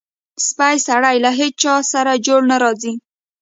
سپی سړی له هېچاسره جوړ نه راځي.